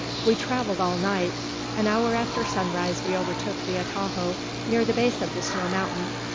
We travelled all night. An hour after sunrise we overtook the atajo, near the base of the snow mountain.